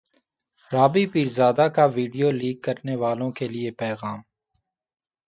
رابی پیرزادہ کا video leak کرنیوالوں کے لیے پیغام